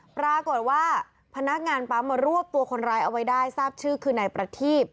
พนักงานปั๊มมารวบตัวคนร้ายเอาไว้ได้ทราบชื่อคือนายประทีบ